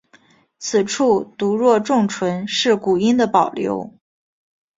此处读若重唇是古音的保留。